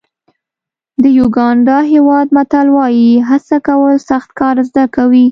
د یوګانډا هېواد متل وایي هڅه کول سخت کار زده کوي.